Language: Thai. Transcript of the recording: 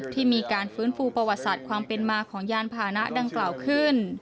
ที่มีการฟื้นฟูประวัติศาสตร์ความเป็นมาของยานพานะดังกล่าวขึ้น